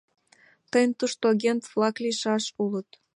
Тыйын тушто агент-влак лийшаш улыт.